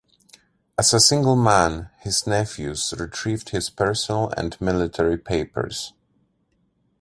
As a single man, his nephews retrieved his personal and military papers.